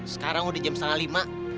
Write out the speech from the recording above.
sekarang udah jam setengah lima